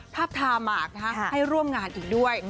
ภาพทาหมากให้ร่วมงานอีกด้วย